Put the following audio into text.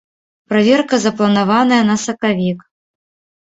Праверка запланаваная на сакавік.